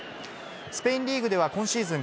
スペインリーグでは今シーズン